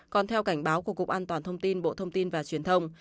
còn theo cảnh báo của cục an toàn thông tin bộ thông tin và truyền thông